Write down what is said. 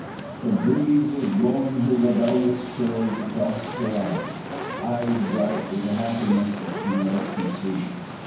The breeze was blowing her rebellious curls across her eyes eyes bright with a happiness which he loved to see.